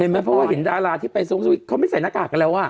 เห็นมั้ยเห็นดาลาที่ไปสวิชส์เขาไม่ใส่หน้ากากกันแล้วอ่ะ